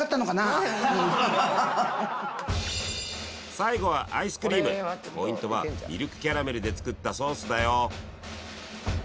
最後はポイントはミルクキャラメルで作ったソースだよ